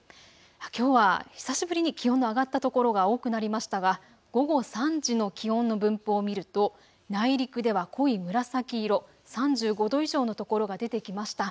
きょうは久しぶりに気温の上がったところが多くなりましたが午後３時の気温の分布を見ると、内陸では濃い紫色、３５度以上の所が出てきました。